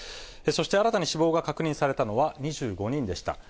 そして新たに死亡が確認されたのは２５人でした。